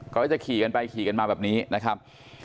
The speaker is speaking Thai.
เขาก็จะขี่กันไปขี่กันมาแบบนี้นะครับ